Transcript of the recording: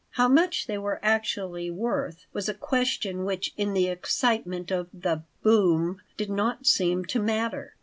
How much they were actually worth was a question which in the excitement of the "boom" did not seem to matter.